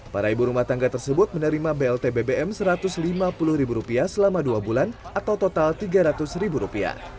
para ibu rumah tangga tersebut menerima blt bbm rp satu ratus lima puluh selama dua bulan atau total rp tiga ratus